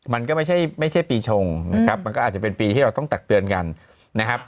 มันก็ไม่ใช่ปีชงนะครับมันก็อาจจะเป็นปีที่เราต้องตักเตือนกันนะครับ